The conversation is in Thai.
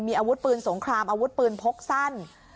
มีอาวุธปืนสงครามอาวุธปืนพกสั้น